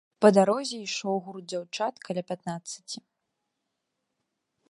Па дарозе ішоў гурт дзяўчат, каля пятнаццаці.